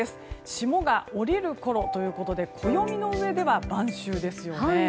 霜が降りるころということで暦の上では晩秋ですよね。